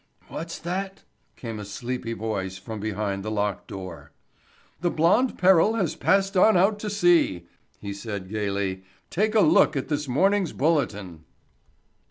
"What's that?" came a sleepy voice from behind the locked door. "The blonde peril has passed on out to sea," he said gayly. "Take a look at this morning's Bulletin."